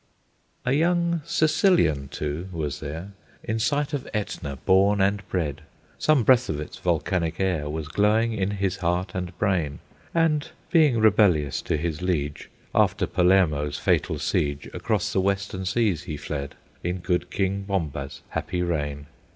A young Sicilian, too, was there; In sight of Etna born and bred, Some breath of its volcanic air Was glowing in his heart and brain, And, being rebellious to his liege, After Palermo's fatal siege, Across the western seas he fled, In good King Bomba's happy reign.